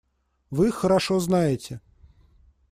Вы их хорошо знаете.